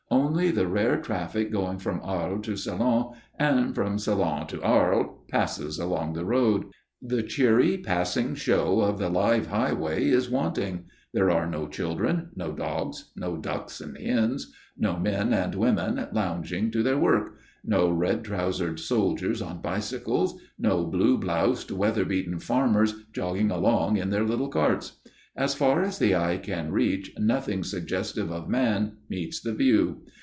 Only the rare traffic going from Arles to Salon and from Salon to Arles passes along the road. The cheery passing show of the live highway is wanting; there are no children, no dogs, no ducks and hens, no men and women lounging to their work; no red trousered soldiers on bicycles, no blue bloused, weather beaten farmers jogging along in their little carts. As far as the eye can reach nothing suggestive of man meets the view.